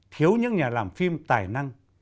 thiếu những nhà làm phim tài năng